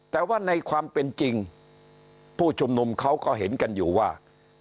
แต่ว่าในความเป็นจริงผู้ชุมนุมเขาก็เห็นกันอยู่ว่า